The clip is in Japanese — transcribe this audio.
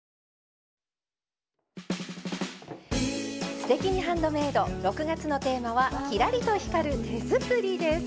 「すてきにハンドメイド」６月のテーマは「キラリと光る手作り」です。